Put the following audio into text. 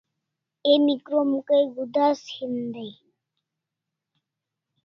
Emi krom kai gudas hin dai